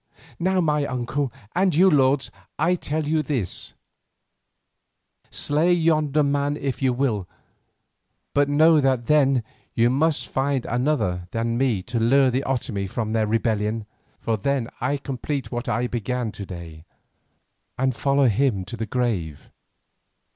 Now my uncle, and you, lords, I tell you this: Slay yonder man if you will, but know that then you must find another than me to lure the Otomie from their rebellion, for then I complete what I began to day, and follow him to the grave."